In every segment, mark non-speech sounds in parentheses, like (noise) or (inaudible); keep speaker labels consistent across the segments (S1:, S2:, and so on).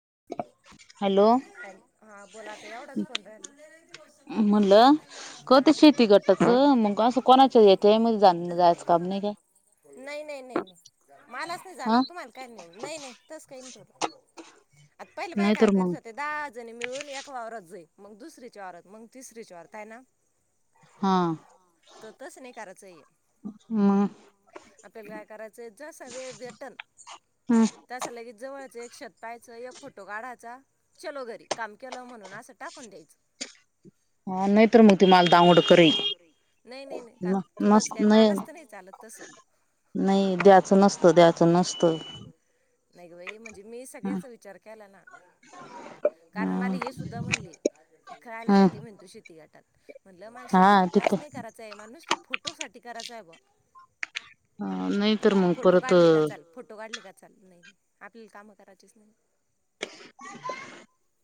S1: (inaudible)
S2: हा बोल आता एवढाच फोन रायला
S1: म्हणलं करते शेती गटाचं मग असं कोणाच्या याच्या मध्ये जा जायचं काम नाही काय
S2: नाई नाई नाई नाई मलाच नाही जाणत
S1: हा
S2: तुम्हाला काय नेऊ नाई नाहई तस काही नाही ठेवलं आता पहिल्या बाया
S1: नाहीतर
S2: काय करत
S1: मग
S2: हो ते दहा जणी मिळून एक वावरात जाई मग दुसरीच्या वावरात मग तिसरीची वावरात हाय ना
S1: हा
S2: हा तर तस नाय करायचं हे आपल्याला काय करायचंय जसा वेळ भेटन
S1: हा
S2: तसा लगेच जवळच एक शत पाहाच एक फोटो काढाचा चलो घरी काम केलं म्हणून असं टाकून द्यायचं.
S1: नाहीतर मग ती मला दांगड करेल
S2: (unintelligible) नाई नाई नाई का तुलाच
S1: नस
S2: काय
S1: नाही
S2: मालाच तर नाई चालत तस (unintelligible)
S1: नाही द्याचं नसतं द्याचं नसतं
S2: नाही ग बाई म्हणजे मी
S1: हम्
S2: सगळ्याचा विचार केला ना कारण मला हे सुद्धा म्हणले काआला जाते म्हणती शेती गटात म्हणलं माला
S1: हा
S2: शेतीगट
S1: तिथ
S2: अस नाही करायचाये मला नुसतं फोटो साठी करायचा हाय बुआ
S1: ह नाही तर मग परत अ
S2: चालल नाई नाई आपल्याला कामं कराचीच नाई.
S1: (inaudible)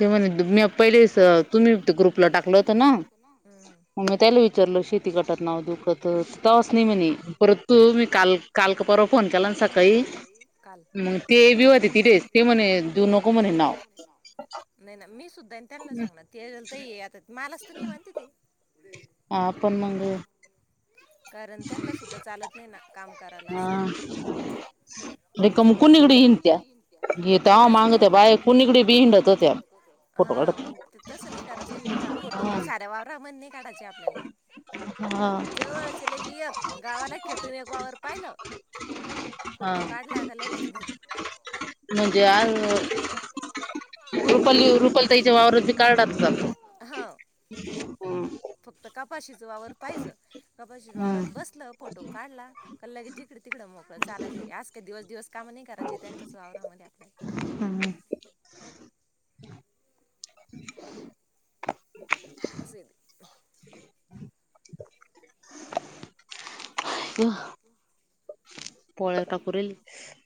S1: ते म्हणे म्या पहिलेच तुम्ही ग्रुपला टाकलं होतं ना
S2: हम्म,
S1: मग म्या तेहला विचारलं शेती गटात नाव देऊ का तव्हाच नाही म्हणे परत तुम्ही काल काल का परवा फोन केला ना सकाळी
S2: काल
S1: मग ते बी होते तिढे ते म्हणे देऊ नको म्हणे नाव
S2: नाही ना मी सुद्धाआय ना त्यांना सांगणार तेजल ताई आता मालाच तर नाही म्हणत्या ते
S1: हा पण मग
S2: कारण त्यांना सुद्धा चालत नाही ना काम
S1: हा रिकाम कुणीकडे हिंडत्या हे
S2: (unintelligible)
S1: तवा
S2: हिंडाच
S1: माग
S2: नाही
S1: त्या बाया कुणीकडे बी हिंडत होत्या फोटो
S2: हा
S1: काढत
S2: मग तसं नाही करायचं हे ना मला फोटो
S1: हा
S2: साऱ्या वावरामधी काढाचे आपल्याला जवळचं लगी य गावाला खेटून एक वावर पाहिलं,
S1: हा
S2: फोटो काढला. लगेच घरी
S1: म्हणजे आज रुपाली रुपाली ताईच्या वावरात बी कर्डात जातो.
S2: हां फक्त कापा शीज तुज वावर पाहिज कपाशीच्या वावरात बसलं फोटो काढला का लगे जिकडं तिकडं मोकळं चाला घरी असं काही दिवस काम नाही करायची त्यांच्याच वावरामध्ये आपल्याला
S1: हम्म (inaudible) (inaudible)
S2: असं येत
S1: (inaudible)
S2: (inaudible)
S1: पोळ टापुरेल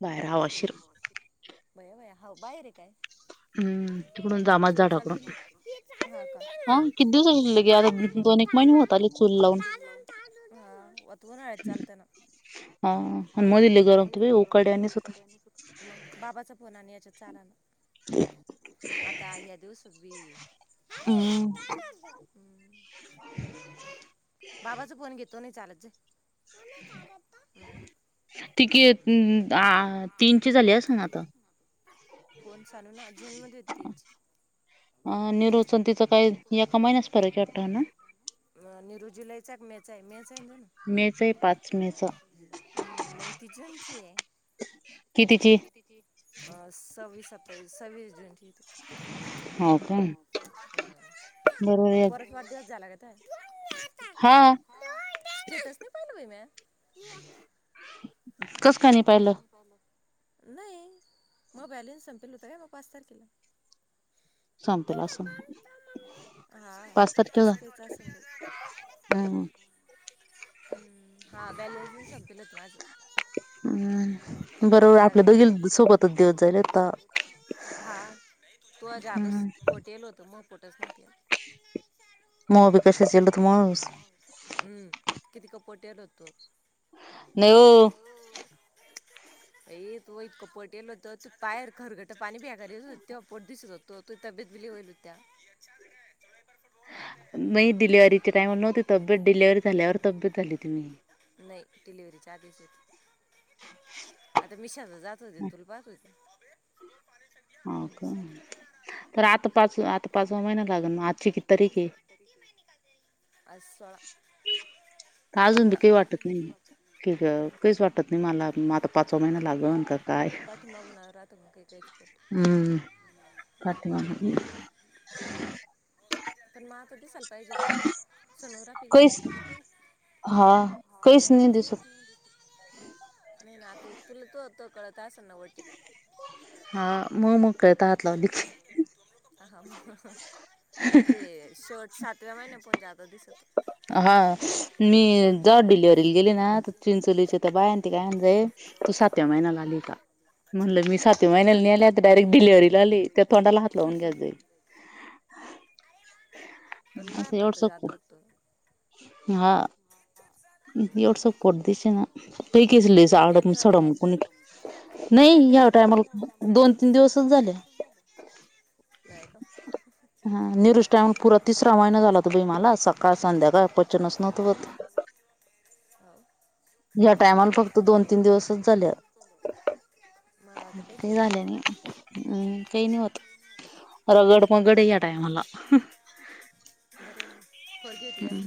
S1: बाहेर हवाशी
S2: बया बया हो बाहेरे काय
S1: हम्म तिकडून जामात झाडाकडून हा किती दिवसाची शिल्लक आहे आता दोन एक महिने होत आले चूल लावून हा आणि मधील लय गरम होत बाई उकाड्यावानीच होत
S2: (inaudible) मग बाबाचा फोन आण यांच्यात चालन आता या दिवस
S1: हम्म
S2: हम्म. तो नाही चालत जाय नाही
S1: (unintelligible) झाले आसन आता
S2: कोण च काजन्म देती (inaudible)
S1: अ निरोच तिचं काय एका महिन्याच फरक आहे वाटतं ना
S2: आणि रुजी लय चांग (unintelligible) चॅनल
S1: मेच आहे पाच मेचा
S2: (unintelligible) हा मग ती जूनची ये कितीची अ सव्विस सत्ता सव्वीस जूनची
S1: हो का
S2: हम्म,
S1: बरोबर
S2: मग
S1: आहे
S2: पोराचा वाढदिवस झाला का तुझ्या?
S1: हा.
S2: स्टेटस नाही पायल बाई म्या. कस काय नाही पाहिल? नाही मग बॅलेन्स संपेल होत काय मग पाच तारखेला?
S1: संपेल असं
S2: हा
S1: पाच
S2: तस
S1: तारखेला
S2: कायच असेल बई
S1: हम्म
S2: हम्म हा बॅलसच संपेल होत माझं.
S1: हम्म बरोबर आपल्या दोघी सोबतच दिवस जाईल आता
S2: हा. तू जादस
S1: हम्म
S2: पोट येईल होत म पोट पोटच नव्हत
S1: मग बी कशाच येल तर माणूस
S2: (unintelligible) हम्म. किती क पोट एल होत.
S1: नाही ओ.
S2: बाई तुएल इतक पोट यायल होत बाहेर खरकट पाणी फेक तरी तवा तुज पोट दिसत होत. तो तु तब्येत बी लय होयली होती तवा.
S1: नाही दिल्या तिच्या टाईमला नव्हती तब्बेत डिलिव्हरी झाल्यावर तब्बेत झाली होती मी.
S2: डीलिव्हरीच्या आधीच होते. आता मि शा जात होते तुला पाहत होते.
S1: हो का? तर आता पाच आता पाचवा महिना लागेल मग आजची किती तारीख है?
S2: आज सोळा.
S1: तर अजून बी
S2: पंधरा
S1: काही वाटत नाही की ग- काहीच वाटत नाही मला म आता पाचवा महिना लागन का काय
S2: पाठी मागून राहत बाई काही काहीच पोट.
S1: हम्म पाठीमागं
S2: तर मग आता दिसायला पाहिजे होतं. सोनोग्राफी गेली
S1: काहीच
S2: का?
S1: हा काहीच नाही दिसत
S2: (unintelligible) नाही ना आता तुला तो तो कळत असन वटी
S1: हा मग मग कळतं हात लावली की
S2: ते शर्ट सा (unintelligible)
S1: हा मी जवा डिलेवरीला गेली ना, तर चिंचोलीच्या त्या बाय ते काय म्हणतय. तू सातव्या महिन्याला आली का? म्हणल मी सातव्या महिन्याला नई आली आता डायरेक्ट डिलेवररीला आली. त्या तोंडाला हात लावून घ्या जाई.
S2: पण माय
S1: आता एवढं
S2: भरत
S1: सग
S2: जादा होतं
S1: हा. एवढसं पोट दिसेना लई केस
S2: म
S1: लई
S2: उलट्या न
S1: सडम
S2: ते होतय
S1: सडम
S2: काय?
S1: कुणी
S2: उलट्या
S1: नाही
S2: न ते
S1: ह्या
S2: होते
S1: टायमाला
S2: का?
S1: दोन तीन दिवसच झाले
S2: नाहीय का?
S1: हा निरुष टायमाला पुरा तिसरा महिना झाला हो ता बाई माला, सकाळ संध्याकाळ पचनस नव्हतं व्हत.
S2: हो
S1: या टायमाला फक्त दोन तीन दिवसच झाले.
S2: मला तर काहीच
S1: काही
S2: होत
S1: झाले नाही.
S2: बाय
S1: अम! ह्यनी होतं. रगड-मगड या टायमाला
S2: बरं येना पोरगी होती काय ना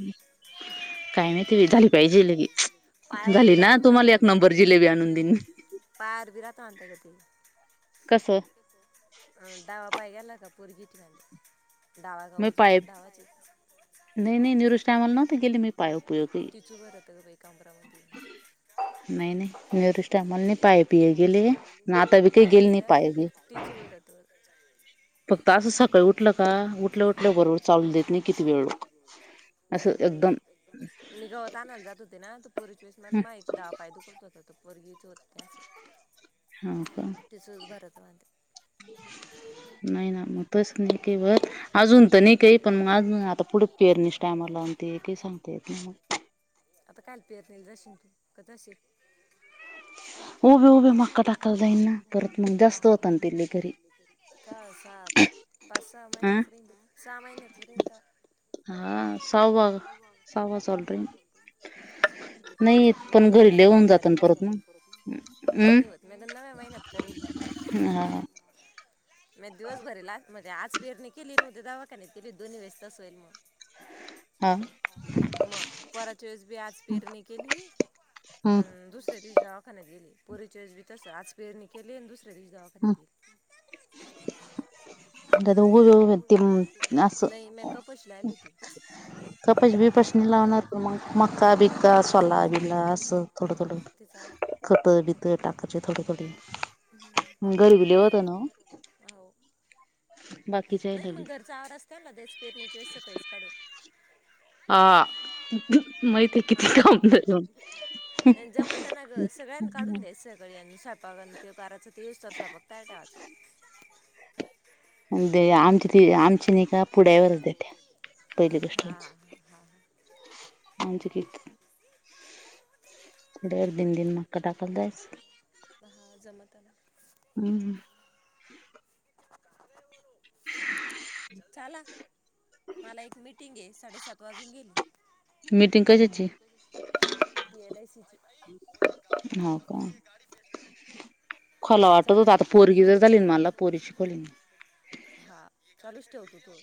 S1: काय माहिती बाई झाली पाहिजे लगेच
S2: पायावर बी
S1: झाली ना
S2: राहत
S1: तुम्हाला
S2: म्हणत्यात.
S1: एक नंबर जिलेबी आणून देईन
S2: पायावर बी राहतं म्हणते क ते.
S1: कसं
S2: अ डावा पाय गेला का पोरगी चं व्हेन दे. डावा का
S1: मी
S2: उजवा?
S1: पाय
S2: डावाची
S1: नाही नाही निरूष टायमाला नव्हते गेले मी, पायो पियो.
S2: टिचू भरत का बाई कांबरामध्ये
S1: नाही-नाही. निरुष त्या म्हानी पाय पीय गेले नि आता बि काय
S2: पाय
S1: गेली
S2: नाही
S1: नि
S2: जर
S1: पाय-बी
S2: टिचू भरत
S1: उठल्या उठल्या बरोबर चालू देत नाही किती वेळ लोक असं
S2: नाही गं
S1: एकदम
S2: मी गावात आणयला जात होते ना? तो पूरच्या वेळेस म माहित डावा पाय दुखवत होत तो पोरगी चोरटी असलं
S1: हा का? नाही ना म तस नइ ठेवत. अजून तर नहि काइ पण मग अज आता पुढे पेरणीस टायमाला ते काही सांगता येत नाइ मग
S2: अता काल पेरनिला जाशीन तु? का जाशीन?
S1: उभे उभे
S2: उग
S1: मक्का टाकायला
S2: उग
S1: जाईन ना परत मग जास्त होता ना ते लय घरी
S2: (unintelligible) का साप बास. सहा
S1: अं
S2: महिनच रेंज. सहा महिन्याच रिंट.
S1: हा सहावा सहावा चालू राहीन
S2: काही नाही होत म
S1: पण
S2: नव्यावा
S1: घरी लय होऊन
S2: महिन्यात
S1: जातं ना
S2: करायले.
S1: परत मग
S2: काही नाही
S1: हम्म
S2: होत नव्यवा महिन्यात करेल.
S1: हा
S2: मी दिवस भरीला मध्ये आज पेरणी केली न उद्या दवाखान्यात गेली दोन्ही वेळीस तसय म
S1: हा!
S2: मग पोराच्या वेळेस बी आज पेरणी केली,
S1: हम्म
S2: अन दुसऱ्या दिवशी दवाखान्यात गेली. पोरीच्या येळस बी तसं. आज पेरणी केली अन दुस त्या दिवशी दवाखान्यात गेली
S1: (unintelligible) ते असं
S2: नाही मी कपाशी लावली
S1: कापस बीपस
S2: होती.
S1: लावणार, त मग मका-बिकका सोल्ला-बिल्ला असं
S2: हा
S1: थोडं-थोडं
S2: ते चालत
S1: खतं-बितं टाकाचे थोडे-थोडे. घर बी लई होतं ना ओ?
S2: हो नाही मग घरचा आवारस मधेच पेरण्याच्या येळेस सकाळीच काढू
S1: हा माहिते किती
S2: हा ना
S1: काम हं!
S2: नाही जमताना बघण ते करायचच तेस तर स्वयंपाक तयार ठेवायचं.
S1: दे, आन ती आमची नि का पुड्यावर देत्या, पहिली गोष्ट
S2: हा
S1: मजे
S2: हा हा हा
S1: आमची कि देड दिन-दिन मक्का टाकलेस.
S2: हां जमतं ना.
S1: हम्-हम्
S2: चला, मला एक मिटिंग ये. साडेसात वाजून गेली.
S1: मीटिंग कशीची ए?
S2: ती एल आय सीची
S1: हां का. खोला वाटत होत
S2: कारण
S1: आता पोरगी जर झाली न मला पोरीची खोलीन मी.
S2: हा चालूच ठेवतो तो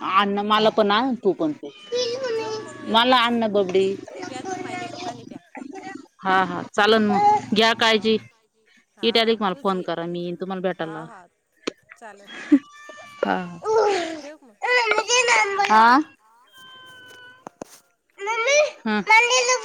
S1: आण मला पण आण, तू पण पी.
S2: ठेवू का मग मी
S1: मला आण ना बबडी.
S2: प्या तुम्ही माय लेखं पाणी प्या
S1: हां-हां चालन मग घ्या
S2: हा
S1: काळजी. इथे आदे
S2: हा
S1: की मला
S2: तूच
S1: फोन
S2: घे
S1: करा मी ईन तुम्हाला
S2: हा
S1: भेटायला.
S2: हा
S1: हां-हां
S2: ठेव फोन.
S1: हं
S2: हां